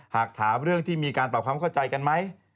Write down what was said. หากถามเรื่องที่มีการปรับความเข้าใจกันไหม